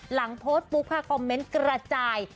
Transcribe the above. หลังโพสต์ปุ๊บค่ะคอมเมนต์กระจาย